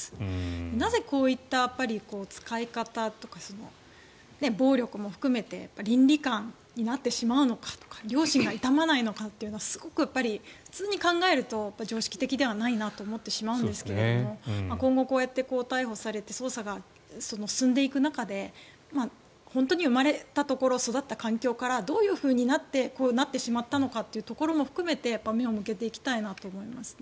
なぜこういった使い方とか暴力も含めて倫理観になってしまうのかとか良心が痛まないのかっていうのは普通に考えると常識的ではないと思ってしまうのですが今後、こうやって逮捕されて捜査が進んでいく中で本当に生まれたところ育った環境からどういうふうになってこうなってしまったのかというところも含めて目を向けていきたいなと思いますね。